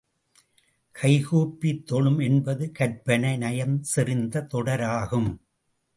கைகூப்பித் தொழும் என்பது கற்பனை நயம் செறிந்த தொடராகும்.